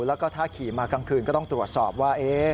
แล้วก็ถ้าขี่มากลางคืนก็ต้องตรวจสอบว่า